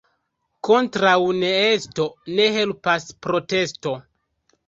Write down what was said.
Kontraŭ neesto ne helpas protesto.